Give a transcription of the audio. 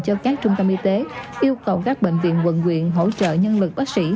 cho các trung tâm y tế yêu cầu các bệnh viện quận quyện hỗ trợ nhân lực bác sĩ